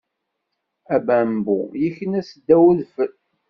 Abambu yekna seddaw udfel.